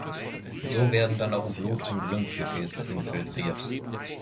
So werden dann auch Blut- und Lymphgefäße infiltriert.